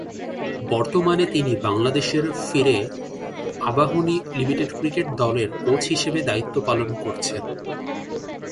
বর্তমানে তিনি বাংলাদেশের ফিরে আবাহনী লিমিটেড ক্রিকেট দলের কোচ হিসেবে দায়িত্ব পালন করছেন।